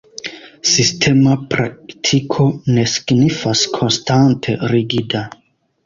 Sistema praktiko ne signifas konstante rigida.